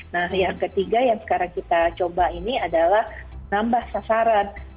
nah yang ketiga yang sekarang kita coba ini adalah nambah sasaran